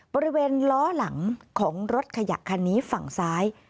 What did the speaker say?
บริเวณล้อหลังของรถขยะคันนี้ฝั่งซ้าย